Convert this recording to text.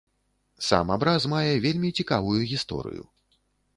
Сам абраз мае вельмі цікавую гісторыю.